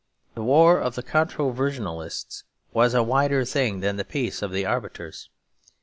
The war of the controversionalists was a wider thing than the peace of the arbiters.